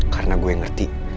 karena gue ngerti